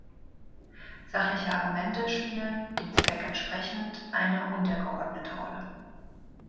Sachliche Argumente spielen, dem Zweck entsprechend, eine untergeordnete Rolle.